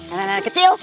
hei anak anak kecil